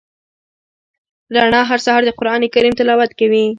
رڼا هر سهار د قران کریم تلاوت کوي.